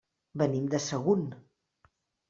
Venim de Sagunt.